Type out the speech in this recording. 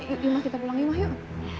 yuk ma kita pulang yuk ma yuk